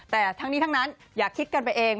แต่ทั้งนี้ทั้งนั้นอย่าคิดกันไปเอง